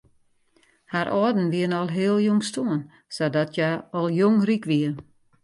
Har âlden wiene al heel jong stoarn sadat hja al jong ryk wie.